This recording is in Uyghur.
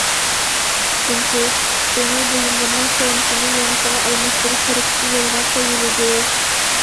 ئىككىنچى، ئىستېمال بۇيۇملىرىنىڭ كونىسىنى يېڭىسىغا ئالماشتۇرۇش ھەرىكىتى يولغا قويۇلىدۇ.